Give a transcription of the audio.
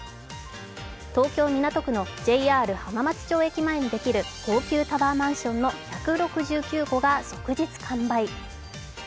東京・港区のＪＲ浜松町駅前にできる高級タワーマンションの１６９戸が即日完売。